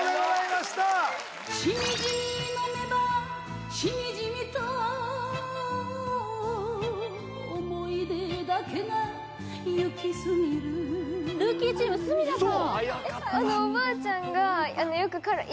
しみじみ飲めばしみじみと想い出だけが行き過ぎるルーキーチーム住田さん